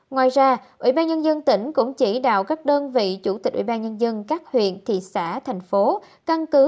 ngoài ra ubnd tỉnh cũng chỉ đạo các đơn vị chủ tịch ubnd các huyện thị xã thành phố căn cứ